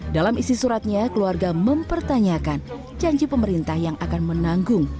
dalam isi suratnya keluarga mempertanyakan janji pemerintah yang akan menanggung